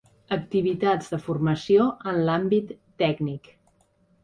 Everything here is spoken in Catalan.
Activitats de formació en l'àmbit tècnic.